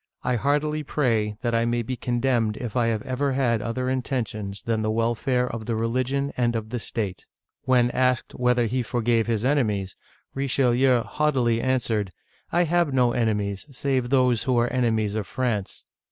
I heartily pray that I may be condemned if I have ever had other intentions than the welfare of the religion and of the state." When asked whether he forgave his enemies, Richelieu haughtily answered, " I have no enemies, save those who are enemies of France!